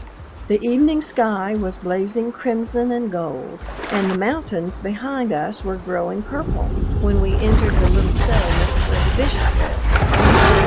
The evening sky was blazing crimson and gold, and the mountains behind us were growing purple when we entered the little settlement where the Bishop lives.